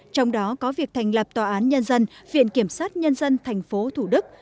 trong đó có việc thành lập tòa án nhân dân viện kiểm sát nhân dân thành phố thủ đức